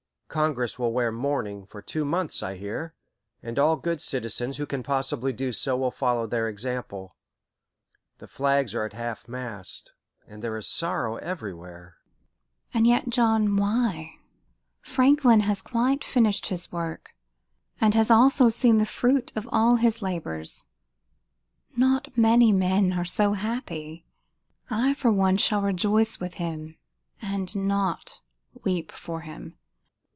Congress will wear mourning for two months, I hear, and all good citizens who can possibly do so will follow their example. The flags are at half mast, and there is sorrow everywhere." "And yet, John, why?" asked Mrs. Moran. "Franklin has quite finished his work; and has also seen the fruit of all his labours. Not many men are so happy. I, for one, shall rejoice with him, and not weep for him."